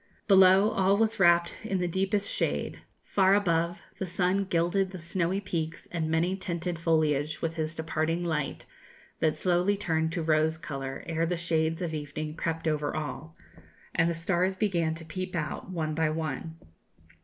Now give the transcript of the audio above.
Below, all was wrapped in the deepest shade. Far above, the sun gilded the snowy peaks and many tinted foliage with his departing light, that slowly turned to rose colour ere the shades of evening crept over all, and the stars began to peep out, one by one.